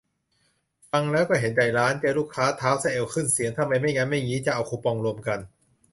ฟังแล้วก็เห็นใจร้าน เจอลูกค้าเท้าสะเอว ขึ้นเสียง ทำไมไม่งั้นไม่งี้ จะเอาคูปองรวมกัน